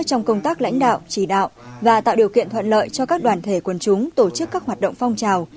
trong công tác lãnh đạo chỉ đạo và tạo điều kiện thuận lợi cho các đoàn thể quân chúng tổ chức các hoạt động phong trào